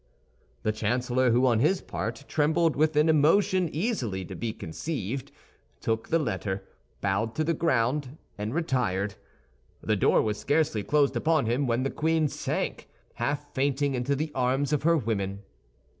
The chancellor, who, on his part, trembled with an emotion easily to be conceived, took the letter, bowed to the ground, and retired. The door was scarcely closed upon him, when the queen sank, half fainting, into the arms of her women.